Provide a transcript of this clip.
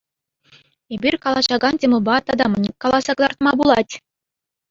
Эпир калаҫакан темӑпа тата мӗн каласа кӑтартма пулать?